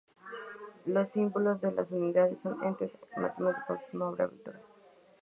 Los símbolos de las unidades son entes matemáticos, no abreviaturas.